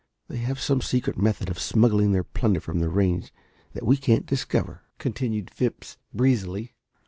They have some secret method of smuggling their plunder from the range that we can't discover," continued Phipps breezily.